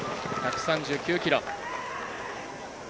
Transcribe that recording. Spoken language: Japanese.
１３９キロ。